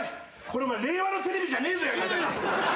これ令和のテレビじゃねえぞやり方が。